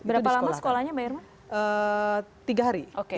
berapa lama sekolahnya mbak irma